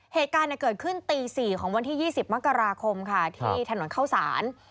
เหตุการณ์เกิดขึ้นตี๔ของวันที่๒๐มกราคมค่ะที่ถนนเข้าสาร